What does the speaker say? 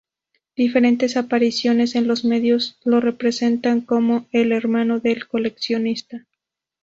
Diferentes apariciones en los medios lo representan como el hermano del Coleccionista.